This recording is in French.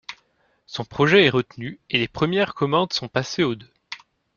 Son projet est retenu, et les première commandes sont passées aux deux.